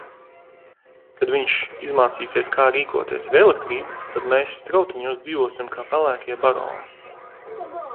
Kad viņš izmācīsies kā rīkoties ar elektrību, tad mēs Strautiņos dzīvosim kā pelēkie baroni!